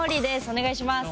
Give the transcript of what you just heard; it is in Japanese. お願いします。